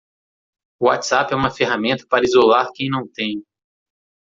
O WhatsApp é uma ferramenta para isolar quem não tem.